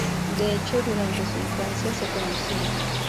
De hecho durante su infancia, se conocían.